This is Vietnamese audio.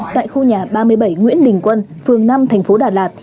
tại khu nhà ba mươi bảy nguyễn đình quân phường năm thành phố đà lạt